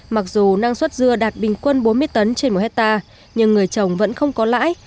mặc dù năng suất dưa đạt bình quân bốn mươi tấn trên một hectare nhưng người trồng vẫn không có lãi